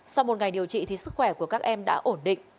sau một ngày điều trị thì sức khỏe của các em đã ổn định